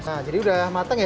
nah jadi udah matang ya